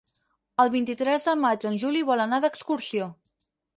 El vint-i-tres de maig en Juli vol anar d'excursió.